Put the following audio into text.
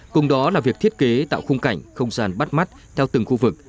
cùng đó là việc thiết kế tạo khung cảnh không gian bắt mắt theo từng khu vực